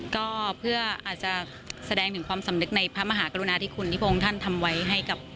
ก็เพื่ออาจจะแสดงถึงความสำนึกในพระมหากรุณาที่คุณพระองค์ทำให้กับ